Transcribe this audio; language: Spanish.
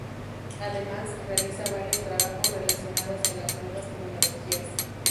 Además, realiza varios trabajos relacionados con las nuevas tecnologías.